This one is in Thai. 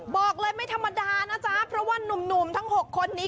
บอกเลยไม่ธรรมดานะจ๊ะเพราะว่านุ่มทั้ง๖คนนี้